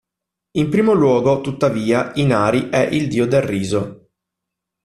In primo luogo, tuttavia, Inari è il dio del riso.